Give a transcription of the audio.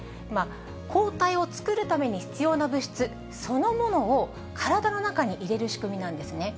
抗体を作るために必要な物質そのものを、体の中に入れる仕組みなんですね。